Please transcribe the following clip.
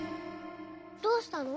どうしたの？